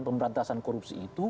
pemberantasan korupsi itu